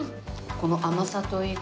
この甘さといい